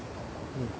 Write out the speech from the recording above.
うん。